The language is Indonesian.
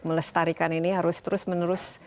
melestarikan ini harus terus menerus